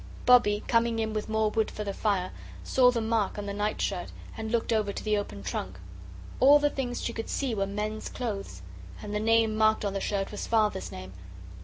Bobbie, coming in with more wood for the fire, saw the mark on the night shirt, and looked over to the open trunk. All the things she could see were men's clothes. And the name marked on the shirt was Father's name.